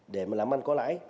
để mà làm ăn có lãi